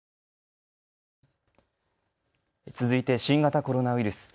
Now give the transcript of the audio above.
続いて新型コロナウイルス。